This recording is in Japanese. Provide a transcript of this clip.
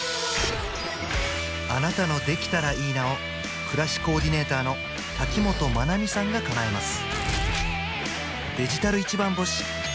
あなたの「できたらいいな」を暮らしコーディネーターの瀧本真奈美さんがかなえます